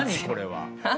これは。